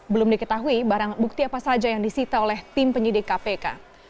belum diketahui barang bukti apa saja yang disita oleh tim penyidik kpk